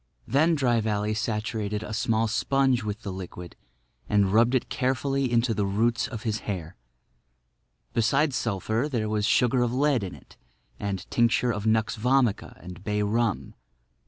Then Dry Valley saturated a small sponge with the liquid and rubbed it carefully into the roots of his hair. Besides sulphur there was sugar of lead in it and tincture of nux vomica and bay rum.